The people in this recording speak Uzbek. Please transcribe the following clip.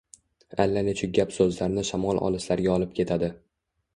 Allanechuk gap-so‘zlarni shamol olislarga olib ketadi.